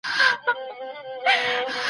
ستا د پنجو په سر تلۀ مې زړه پرېباسي